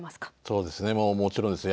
そうですねもちろんです。